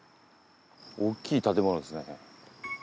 大きい建物ですね。